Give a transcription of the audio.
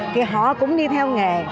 thì họ cũng đi theo nghề